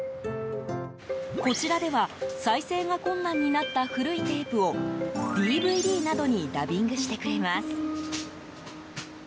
こちらでは再生が困難になった古いテープをＤＶＤなどにダビングしてくれます。